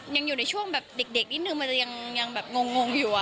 ยังอยู่ในช่วงแบบเด็กนิดนึงมันจะยังแบบงงอยู่